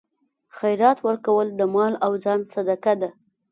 خیرات ورکول د مال او ځان صدقه ده.